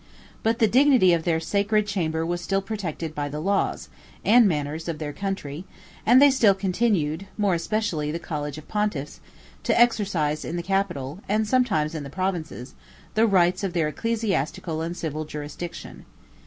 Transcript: But the dignity of their sacred character was still protected by the laws, and manners of their country; and they still continued, more especially the college of pontiffs, to exercise in the capital, and sometimes in the provinces, the rights of their ecclesiastical and civil jurisdiction.